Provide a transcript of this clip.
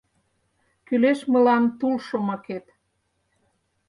Кӱлеш мылам тул шомакет.